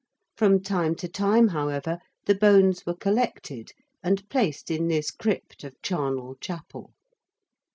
From time to time, however, the bones were collected and placed in this crypt of Charnel Chapel.